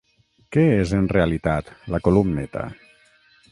Què és en realitat la columneta?